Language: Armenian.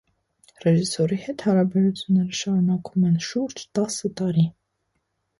Ռեժիսորի հետ հարաբերությունները շարունակվում են շուրջ տասը տարի։